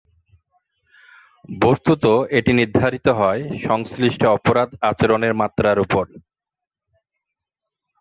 বস্ত্তত এটি নির্ধারিত হয় সংশ্লিষ্ট অপরাধ আচরণের মাত্রার ওপর।